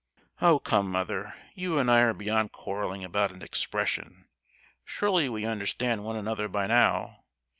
"Oh, come mother! you and I are beyond quarrelling about an expression! Surely we understand one another by now?